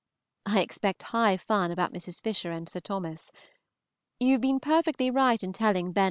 I expect high fun about Mrs. Fisher and Sir Thomas. You have been perfectly right in telling Ben.